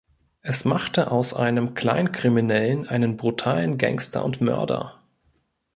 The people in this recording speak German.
Es machte aus einem Kleinkriminellen einen brutalen Gangster und Mörder.